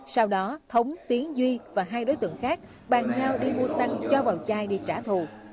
sau đó thống tiến duy và hai đối tượng khác bàn nhau đi mua xăng cho vào chai đi trả thù